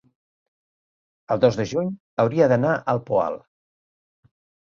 el dos de juny hauria d'anar al Poal.